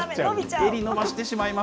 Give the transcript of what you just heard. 襟伸ばしてしまいます。